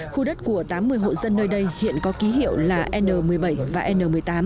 khu đất của tám mươi hộ dân nơi đây hiện có ký hiệu là n một mươi bảy và n một mươi tám